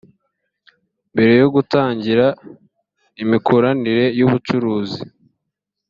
mbere yo gutangira imikoranire y’ubucuruzi